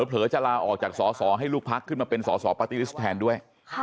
เผลอจะลาออกจากสอสอให้ลูกพักขึ้นมาเป็นสอสอปาร์ตี้ลิสต์แทนด้วย